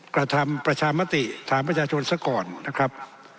กระทำประชามติถามประชาชนซะก่อนนะครับ